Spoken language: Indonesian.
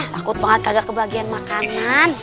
takut banget kagak kebagian makanan